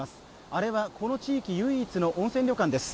あれはこの地域唯一の温泉旅館です